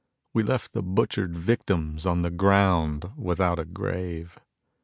We left the butchered victims on the ground without a grave.